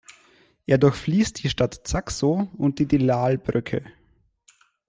Er durchfließt die Stadt Zaxo und die Delal-Brücke.